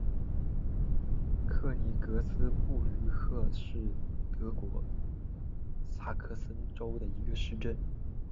克尼格斯布吕克是德国萨克森州的一个市镇。